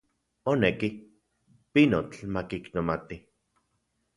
Moneki, pinotl makiknomati.